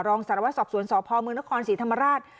รองศาลวะศพสวนศพมือนครศรีธรรมราช